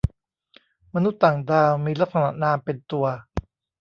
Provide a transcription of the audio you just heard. มนุษย์ต่างดาวมีลักษณะนามเป็นตัว